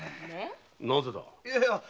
なぜだ？